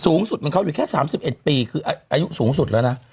สูงสุดเหมือนเขาอยู่แค่๓๑ปีคืออายุสูงสุดแล้วนะ